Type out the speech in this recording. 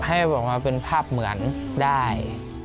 ให้บอกว่าเป็นภาพเหมือนได้